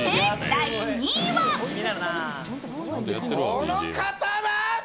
この方だ！